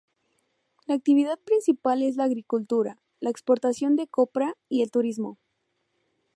La actividad principal es la agricultura, la exportación de copra y el turismo.